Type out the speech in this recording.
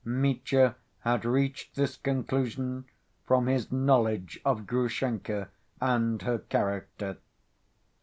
Mitya had reached this conclusion from his knowledge of Grushenka and her character.